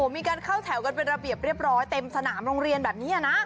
มีการเข้าแถวกันเป็นระเบียบเรียบร้อยเต็มสนามโรงเรียนแบบนี้นะ